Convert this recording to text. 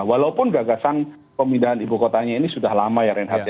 walaupun gagasan pemindahan ibu kotanya ini sudah lama ya reinhardt ya